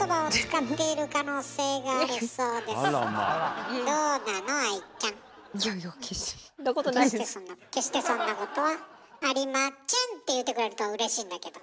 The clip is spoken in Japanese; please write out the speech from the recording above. いやいや「決してそんなことはありまちぇん」って言ってくれるとうれしいんだけど。